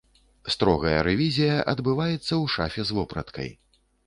Строгая рэвізія адбываецца ў шафе з вопраткай.